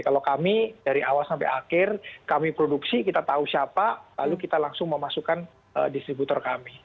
kalau kami dari awal sampai akhir kami produksi kita tahu siapa lalu kita langsung memasukkan distributor kami